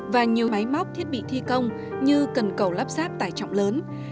và nhiều máy móc thiết bị thi công như cần cầu lắp sáp tải trọng lớn